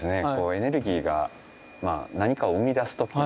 エネルギーが何かを生み出す時